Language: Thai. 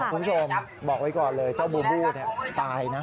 คุณผู้ชมบอกไว้ก่อนเลยเจ้าบูบูตายนะ